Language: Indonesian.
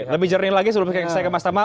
lebih jernih lagi sebelum saya ke mas tamal